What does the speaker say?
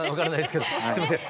すいません。